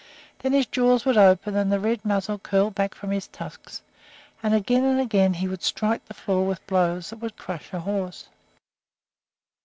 Then his jaws would open and the red muzzle curl back from his tusks, and again and again he would strike the floor with blows that would crush a horse.